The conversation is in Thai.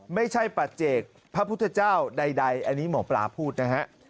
ไม่ใช่ปัจเจกพระพุทธเจ้าใดอันนี้หมอปลาพูดนะฮะ